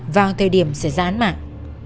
vào thời điểm xảy ra án mạng